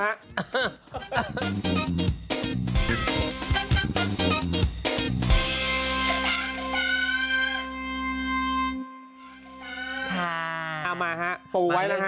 เอามาครับปรูไว้นะครับ